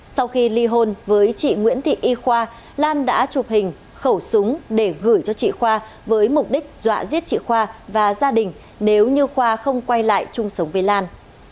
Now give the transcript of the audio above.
sau khi ly hôn với chị nguyễn thị y khoa lan đã chụp hình khẩu súng để gửi cho chị khoa với mục đích dọa giết chị khoa và gia đình nếu như khoa không quay lại chung sống với lan